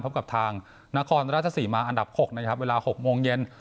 ครับกับทางนครราชสิมาอันดับหกนะครับเวลาหกโมงเย็น